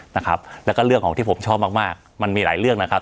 นะครับแล้วก็เรื่องของที่ผมชอบมากมากมันมีหลายเรื่องนะครับ